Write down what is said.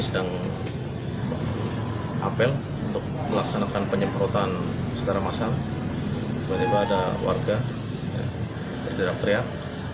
sedang apel untuk melaksanakan penyemprotan secara massal pada pada warga terjadinya teriak